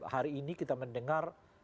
hari ini kita mendengar